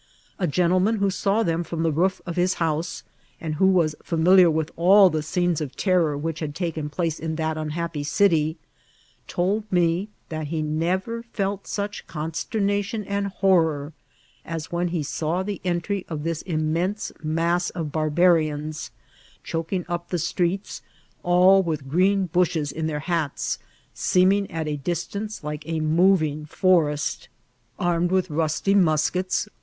A gentleman who saw tbemi firom the roof of his house, and who was £bu> miliar with all the scenes of terror which had taken place in that unhappy city, told me that he never fek such consternation and horror as when he saw the entry of this immense mass of barbarians ; choking up the streets, all with green bushes in their hats, seeming at a distance like a moving forest; armed with rusty mus S8S iirciDBirTs or tratbl.